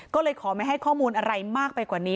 ก็เลยขอไม่ให้ข้อมูลอะไรมากไปกว่านี้